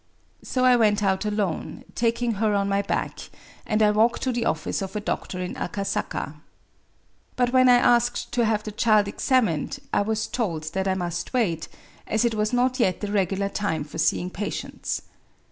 So I went out alone, taking her on my back, and walked to the office of a doctor in Akasaka. But when I asked to have the child examined, I was told that I must wait, as it was not yet the regular time for seeing patients.